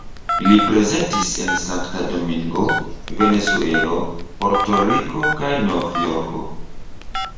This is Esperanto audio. Li prezentis en Sankta Domingo, Venezuelo, Porto-Riko kaj Novjorko.